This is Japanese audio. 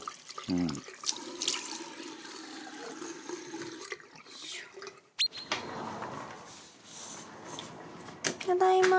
「うん」ただいま。